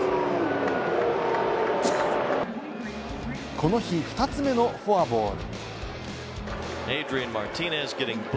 この日、２つ目のフォアボール。